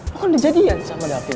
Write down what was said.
lo kan udah jadian sama davin